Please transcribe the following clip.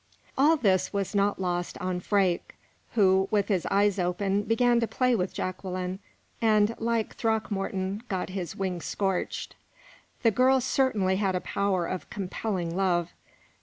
All this was not lost on Freke, who, with his eyes open, began to play with Jacqueline, and like Throckmorton got his wings scorched. The girl certainly had a power of compelling love.